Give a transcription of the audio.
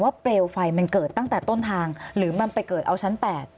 เปลวไฟมันเกิดตั้งแต่ต้นทางหรือมันไปเกิดเอาชั้น๘